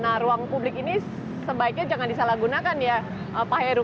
nah ruang publik ini sebaiknya jangan disalahgunakan ya pak heru